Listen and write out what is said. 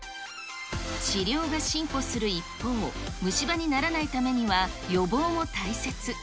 治療が進歩する一方、虫歯にならないためには、予防も大切。